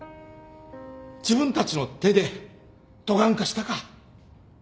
自分たちの手でどがんかしたか。